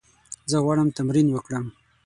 زه غواړم تمرین وکړم.